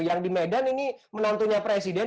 yang di medan ini menantunya presiden